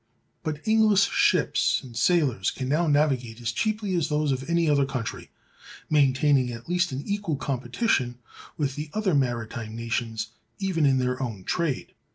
But English ships and sailors can now navigate as cheaply as those of any other country, maintaining at least an equal competition with the other maritime nations even in their own trade.